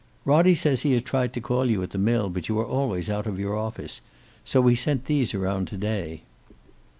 "Roddie says he has tried to call you at the mill, but you are always out of your office. So he sent these around to day."